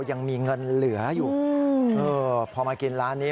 ยังมีเงินเหลืออยู่พอมากินร้านนี้